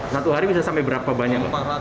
satu hari bisa sampai berapa banyak